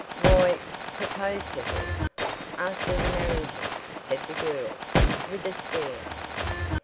"Why, proposed to her asked her to marry him," said the girl, with a stare.